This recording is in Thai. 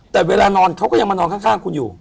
แต่เวลานอนเขาก็ยังมานอนข้างคุณอยู่